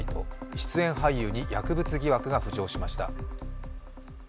出演俳優の薬物疑惑が浮上しました。